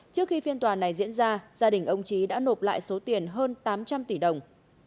trước khi phiên tòa này diễn ra gia đình ông trí đã nộp lại số tiền hơn tám trăm linh tỷ đồng